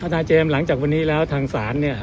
นายเจมส์หลังจากวันนี้แล้วทางศาลเนี่ย